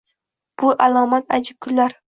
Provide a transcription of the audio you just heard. Bu alomat ajab kunlar